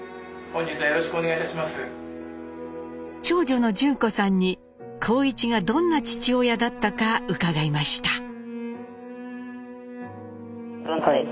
長女の順子さんに幸一がどんな父親だったか伺いました。